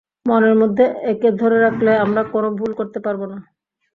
মনের মধ্যে একে ধরে রাখলে আমরা কোনো ভুল করতে পারব না।